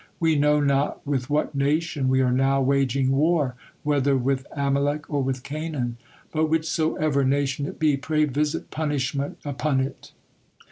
We know not with what nation we are now waging war, whether with Amalek or with Canaan, but whichsoever nation it be, pray visit punishment upon it."